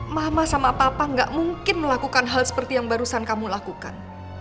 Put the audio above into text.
mama sama papa gak mungkin melakukan hal seperti yang barusan kamu lakukan